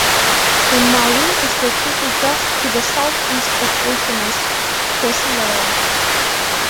The mare is located just to the southeast of Oceanus Procellarum.